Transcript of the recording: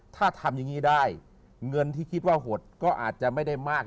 ถ้าทำอย่างนี้ได้เงินที่คิดว่าหดก็อาจจะไม่ได้มาก